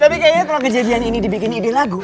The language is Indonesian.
tapi kayaknya kalau kejadian ini dibikin ide lagu